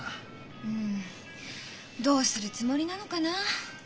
うんどうするつもりなのかな。